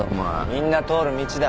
みんな通る道だ。